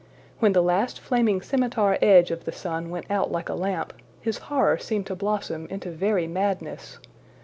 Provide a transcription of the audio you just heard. When the last flaming scimitar edge of the sun went out like a lamp, his horror seemed to blossom into very madness.